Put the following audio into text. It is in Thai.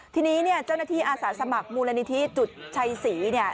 ทีนี้เนี่ยเจ้าหน้าที่อาสาสมัครมูลนิธิจุดชัยศรีเนี่ย